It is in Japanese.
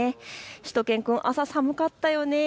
しゅと犬くん、朝、寒かったよね。